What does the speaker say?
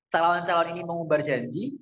calon calon ini mengubah janji